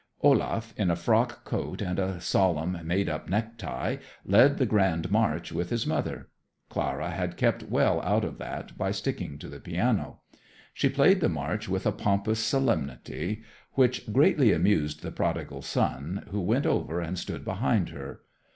Olaf, in a frock coat and a solemn made up necktie, led the grand march with his mother. Clara had kept well out of that by sticking to the piano. She played the march with a pompous solemnity which greatly amused the prodigal son, who went over and stood behind her.